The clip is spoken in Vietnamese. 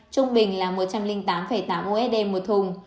trung bình là một trăm linh tám tám usd một thùng